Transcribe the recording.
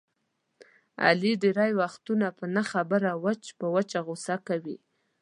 علي ډېری وختونه په نه خبره وچ په وچه غوسه کوي.